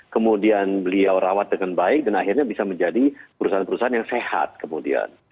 kemudian beliau rawat dengan baik dan akhirnya bisa menjadi perusahaan perusahaan yang sehat kemudian